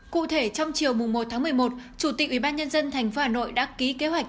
cụ thể trong chiều một một mươi một chủ tịch ubnd thành phố hà nội đã ký kế hoạch